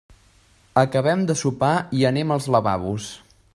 Acabem de sopar i anem als lavabos.